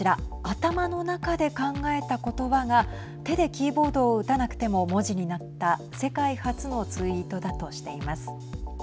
頭の中で考えたことばが手でキーボードを打たなくても文字になった世界初のツイートだとしています。